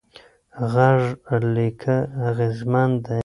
غږ له لیکه اغېزمن دی.